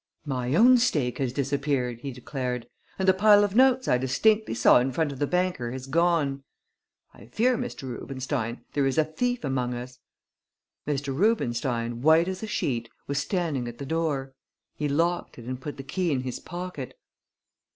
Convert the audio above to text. "My own stake has disappeared," he declared; "and the pile of notes I distinctly saw in front of the banker has gone. I fear, Mr. Rubenstein, there is a thief among us." Mr. Rubenstein, white as a sheet, was standing at the door. He locked it and put the key in his pocket.